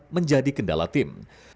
menjadi kendala tim